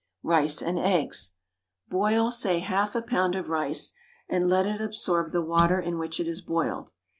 RICE AND EGGS. Boil, say half a pound of rice, and let it absorb the water in which it is boiled.